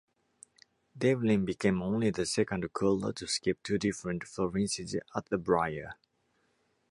Devlin became only the second curler to skip two different provinces at the Brier.